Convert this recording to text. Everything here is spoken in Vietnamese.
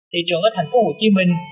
thị trường ở thành phố hồ chí minh